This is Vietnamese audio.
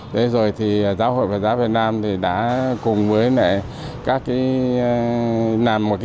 thế rồi thì giáo hội phật giáo việt nam thì đã cùng với các cái